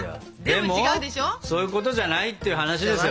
でもそういうことじゃないっていう話ですよね。